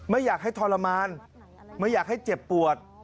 ไม่อยากให้ทรมานไม่อยากให้เจ็บปวด